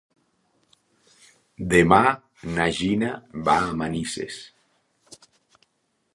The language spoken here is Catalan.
Demà na Gina va a Manises.